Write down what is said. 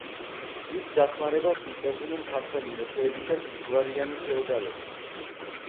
დიდ დახმარებას უწევდნენ ქართველი მეფეები და დიდგვარიანი ფეოდალები.